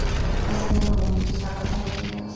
Nacido en Don Benito, está casado y tiene dos hijos.